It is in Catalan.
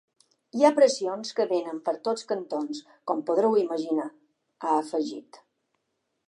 Hi ha pressions que venen per tots cantons, com podreu imaginar, ha afegit.